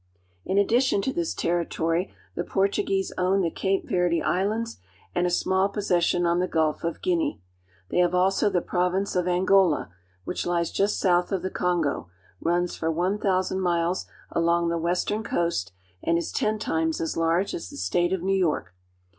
In addition to this territory the Portuguese own the Cape Verde Islands and a small possession on the Gulf of Guinea. They have also the province of Angola (an go'la), which lies just south of the Kongo, runs for one thousand miles along the western coast, and is ten times as large as the State of New York.